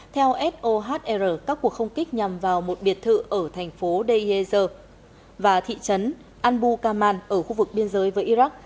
theo sohr các cuộc không kích nhằm vào một biệt thự ở thành phố deir ezzer và thị trấn anbu kaman ở khu vực biên giới với iraq